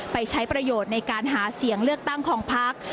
ไปใช้ประโยชน์ในการหาเสียงเลือกตั้งของพัก